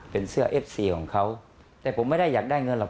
เป็นเสื้อเอฟซีของเขาแต่ผมไม่ได้อยากได้เงินหรอก